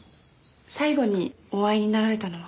最後にお会いになられたのは？